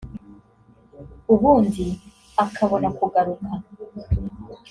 ubundi akabona kugaruka